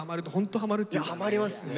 ハマりますね